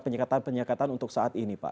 penyekatan penyekatan untuk saat ini pak